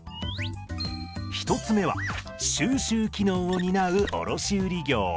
１つ目は収集機能を担う卸売業。